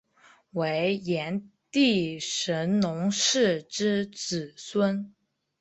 为炎帝神农氏之子孙。